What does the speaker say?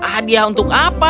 hadiah untuk apa